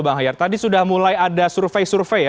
bang ahyar tadi sudah mulai ada survei survei ya